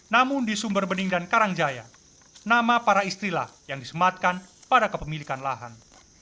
namun di sumber bening dan karangjaya nama para istrilah yang disematkan pada kepemilikan lahan